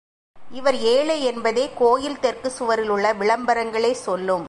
இவர் ஏழை என்பதைக் கோயில் தெற்குச் சுவரில் உள்ள விளம்பரங்களே சொல்லும்.